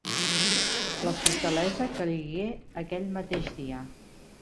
La fortalesa caigué aquell mateix dia.